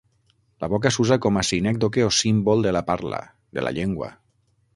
La boca s'usa com a sinècdoque o símbol de la parla, de la llengua.